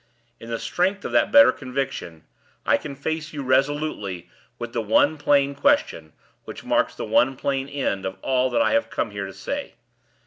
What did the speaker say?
In the strength of that better conviction, I can face you resolutely with the one plain question, which marks the one plain end of all that I have come here to say.